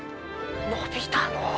伸びたのう！